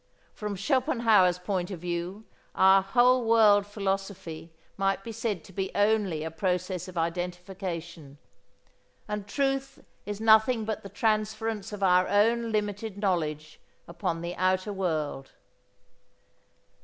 From Schopenhauer's point of view our whole world philosophy might be said to be only a process of identification. And truth is nothing but the transference of our own limited knowledge upon the outer world.